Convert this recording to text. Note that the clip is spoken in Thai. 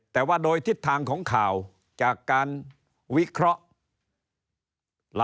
แต่ว่าโดยทิศทางของข่าวจากการวิเคราะห์